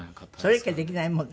それしかできないもんね。